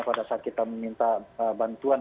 pada saat kita meminta bantuan untuk pendampingan anak